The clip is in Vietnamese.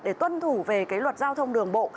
để tuân thủ về cái luật giao thông đường bộ